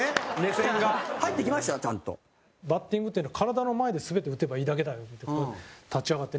古田：バッティングっていうのは体の前で全て打てばいいだけだよって。